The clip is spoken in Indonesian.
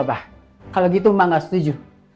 wah kalau gitu emak nggak setuju